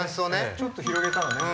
ちょっと広げたのね。